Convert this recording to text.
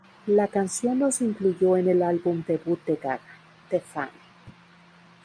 La canción no se incluyó en el álbum debut de Gaga, "The Fame".